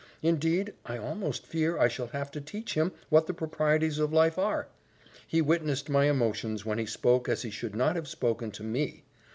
Indeed, I almost fear I shall have to teach him what the proprieties of life are. He witnessed my emotions when he spoke as he should not have spoken to ME.